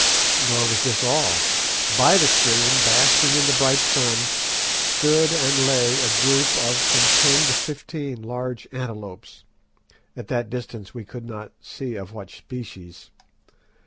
Nor was this all. By the stream, basking in the bright sun, stood and lay a group of from ten to fifteen large antelopes—at that distance we could not see of what species.